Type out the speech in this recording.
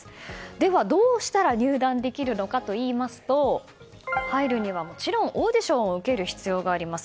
では、どうしたら入団できるのかといいますと入るにはオーディションを受ける必要があります。